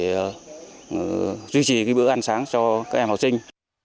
để có một nguồn vốn nhỏ nhỏ để duy trì bữa ăn sáng cho các em học sinh